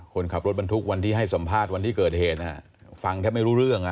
คนขับรถบรรทุกวันที่ให้สัมภาษณ์วันที่เกิดเหตุฟังแทบไม่รู้เรื่อง